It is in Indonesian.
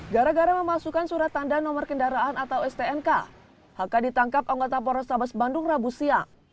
gara gara memasukkan surat tanda nomor kendaraan atau stnk hk ditangkap anggota polrestabes bandung rabu siang